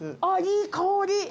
あっいい香り。